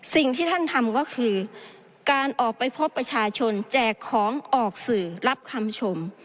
สิ่งที่ท่านทำก็คือการออกไปพบประชาชนแจกของออกสื่อรับคำชม